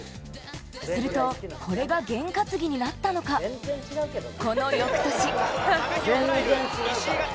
すると、これがゲン担ぎになったのか、この翌年。